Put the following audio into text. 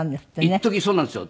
一時そうなんですよ。